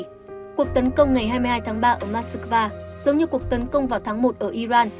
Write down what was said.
trong cuộc tấn công ngày hai mươi hai tháng ba ở moscow giống như cuộc tấn công vào tháng một ở iran